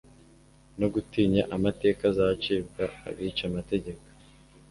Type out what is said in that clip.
no gutinya amateka azacibwa abica amategeko